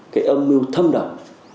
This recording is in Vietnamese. cái âm mưu thâm động